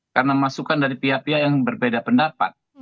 karena masukan dari pihak pihak yang berbeda pendapat